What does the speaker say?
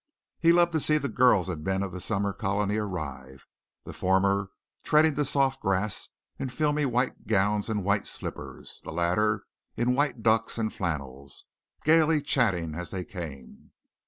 He loved to see the girls and men of the summer colony arrive, the former treading the soft grass in filmy white gowns and white slippers, the latter in white ducks and flannels, gaily chatting as they came.